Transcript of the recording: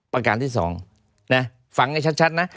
ประการที่๒ฟังให้ชัดนะ